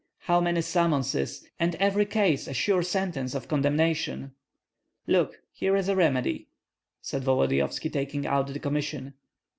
How many summonses, and every case a sure sentence of condemnation!" "Look, here is a remedy!" said Volodyovski, taking out the commission.